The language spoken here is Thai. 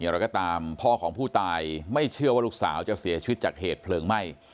เราก็ตามพ่อของผู้ตายไม่เชื่อว่าลูกสาวจะเสียชีวิตจากเหตุเพลิงไหม้